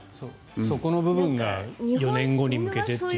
そこの部分が４年後に向けてという。